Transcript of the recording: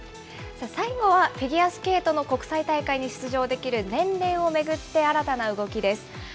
最後はフィギュアスケートの国際大会に出場できる年齢を巡って、新たな動きです。